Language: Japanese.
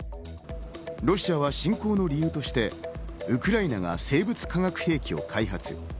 ロシアは侵攻の理由としてウクライナが生物・化学兵器を開発。